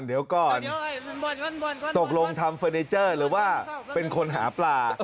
เดี๋ยวก่อนตกลงทำเฟอร์เนเจอร์หรือว่าเป็นคนหาปลา